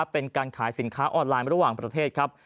เป็นการขายสินค้าออนไลน์ระหว่างประเทศครับ